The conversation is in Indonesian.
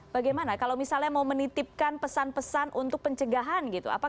bagaimana kalau misalnya mau menitipkan pesan pesan untuk pencegahan gitu